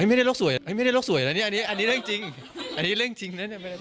ไม่ได้เรื่องสวยแล้วอันนี้เรื่องจริง